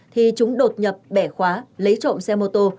thì chúng đột nhập bẻ khóa lấy trộm xe mô tô